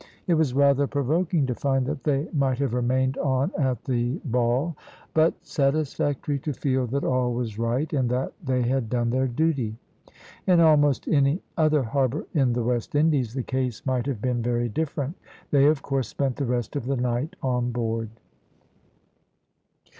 It was rather provoking to find that they might have remained on at the ball, but satisfactory to feel that all was right, and that they had done their duty. In almost any other harbour in the West Indies the case might have been very different. They, of course, spent the rest of the night on board.